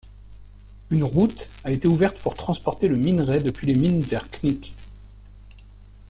Une route a été ouverte pour transporter le minerai depuis les mines vers Knick.